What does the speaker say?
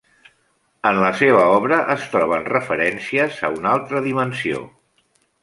En la seva obra es troben referències a una altra dimensió.